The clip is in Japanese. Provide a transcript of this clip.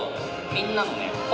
みんなの声。